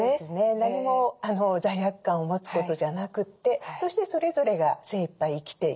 何も罪悪感を持つことじゃなくてそしてそれぞれが精いっぱい生きていく。